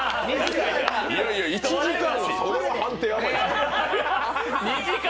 １時間、それは判定甘いですよ！